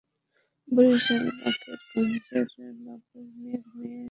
বরিশাল বাকেরগঞ্জের বাবুল মিয়ার মেয়ে লিমা গুলবাগ এলাকার একটি বাসায় ভাড়া থাকতেন।